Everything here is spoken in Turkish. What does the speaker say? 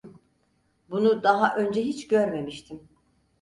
Bunu daha önce hiç görmemiştim.